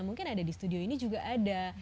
mungkin ada di studio ini juga ada